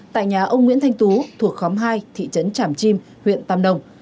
tại nhà ông nguyễn thanh tú thuộc khóm hai thị trấn tràm chim huyện tam nông